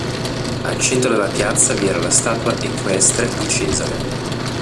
Al centro della piazza vi era la statua equestre di Cesare.